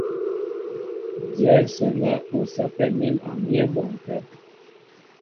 Dyɛ̌ ásə́ nɛ́ ú sɛ́pɛ mǐm a myɛ́ bɔnkɛ́.